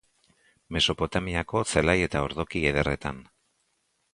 Mesopotamiako zelai eta ordoki ederretan.